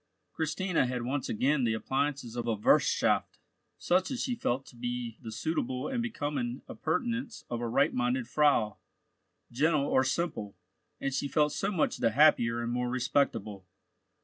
Christina had once again the appliances of a wirthschaft, such as she felt to be the suitable and becoming appurtenance of a right minded Frau, gentle or simple, and she felt so much the happier and more respectable.